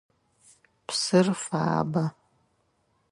Псыр фабэ.